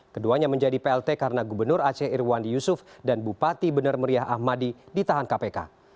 keduanya menjadi plt karena gubernur aceh irwandi yusuf dan bupati benar meriah ahmadi ditahan kpk